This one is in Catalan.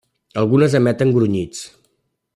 Algunes emeten grunyits.